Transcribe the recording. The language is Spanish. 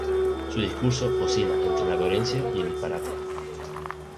Su discurso oscila entre la coherencia y el disparate.